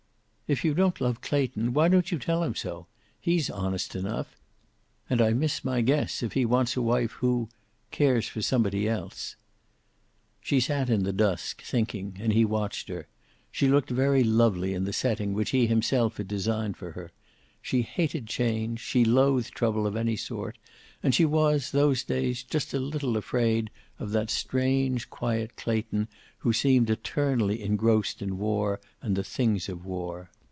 "If you don't love Clayton, why don't you tell him so? He's honest enough. And I miss my guess if he wants a wife who cares for somebody else." She sat in the dusk, thinking, and he watched her. She looked very lovely in the setting which he himself had designed for her. She hated change; she loathed trouble, of any sort. And she was, those days, just a little afraid of that strange, quiet Clayton who seemed eternally engrossed in war and the things of war.